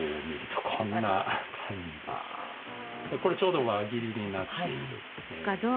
これちょうど輪切りになっている。